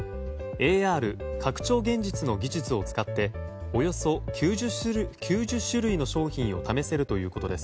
ＡＲ・拡張現実の技術を使っておよそ９０種類の商品を試せるということです。